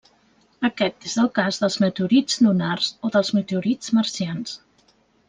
Aquest és el cas dels meteorits lunars o meteorits marcians.